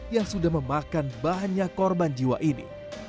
yang sudah memakan banyak korban jiwa ini